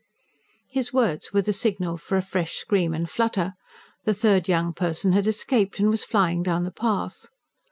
His words were the signal for a fresh scream and flutter: the third young person had escaped, and was flying down the path.